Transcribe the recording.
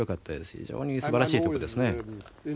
非常にすばらしい所ですね。